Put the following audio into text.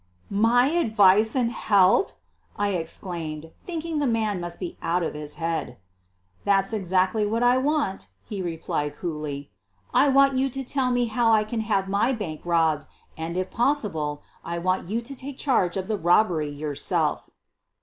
"My advice and help!" I exclaimed, thinking the man must be out of his head. "That's exactly what I want," he replied coolly. "I want you to tell me how I can have my bank robbed, and, if possible, I want you to take charge of the robbery yourself."